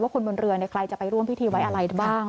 คนบนเรือใครจะไปร่วมพิธีไว้อะไรบ้าง